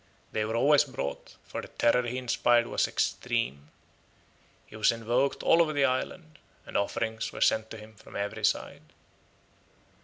They were always brought, for the terror he inspired was extreme. He was invoked all over the island, and offerings were sent to him from every side.